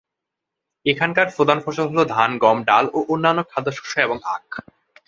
এখানকার প্রধান ফসল হল ধান, গম, ডাল ও অন্যান্য খাদ্যশস্য এবং আখ।